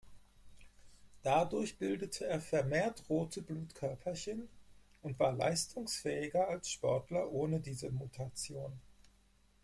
Dadurch bildete er vermehrt rote Blutkörperchen und war leistungsfähiger als Sportler ohne diese Mutation.